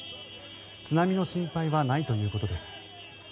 津波の心配はないということです。